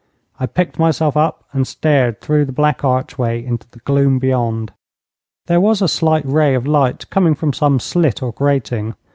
I picked myself up and stared through the black archway into the gloom beyond. There was a slight ray of light coming from some slit or grating.